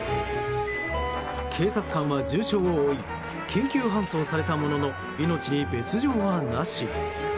警察官は重傷を負い救急搬送されたものの命に別条はなし。